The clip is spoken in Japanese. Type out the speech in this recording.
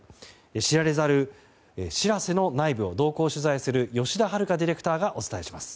知られざる「しらせ」の内部を同行取材する吉田遥ディレクターがお伝えします。